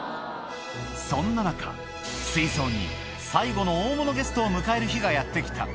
そんな中、水槽に最後の大物ゲストを迎える日がやって来た。